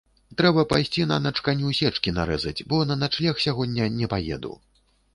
Трэба пайсці нанач каню сечкі нарэзаць, бо на начлег сягоння не паеду.